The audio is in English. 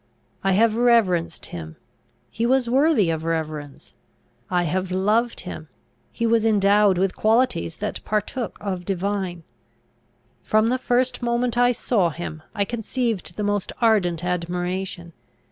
I have reverenced him; he was worthy of reverence: I have loved him; he was endowed with qualities that partook of divine. "From the first moment I saw him, I conceived the most ardent admiration.